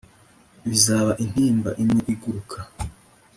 bizaba intimba imwe iguruka